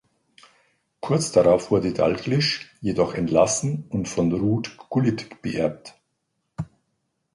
Kurz darauf wurde Dalglish jedoch entlassen und von Ruud Gullit beerbt.